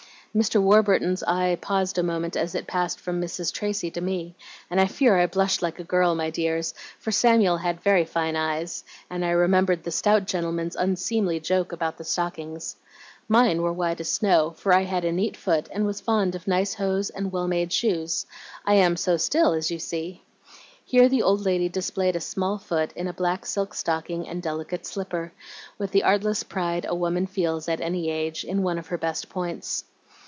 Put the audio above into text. Mr. Warburton's eye paused a moment as it passed from Mrs. Tracy to me, and I fear I blushed like a girl, my dears, for Samuel had very fine eyes, and I remembered the stout gentleman's unseemly joke about the stockings. Mine were white as snow, for I had a neat foot, and was fond of nice hose and well made shoes. I am so still, as you see." Here the old lady displayed a small foot in a black silk stocking and delicate slipper, with the artless pride a woman feels, at any age, in one of her best points.